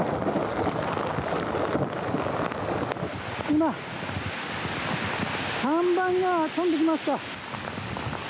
今、看板が飛んできました。